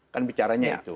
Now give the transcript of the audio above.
kan bicaranya itu